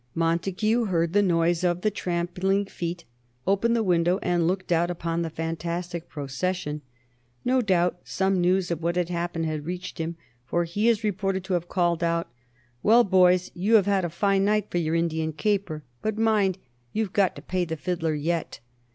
Montague heard the noise of the trampling feet, opened the window and looked out upon the fantastic procession. No doubt some news of what had happened had reached him, for he is reported to have called out: "Well, boys, you have had a fine night for your Indian caper. But mind, you've got to pay the fiddler yet."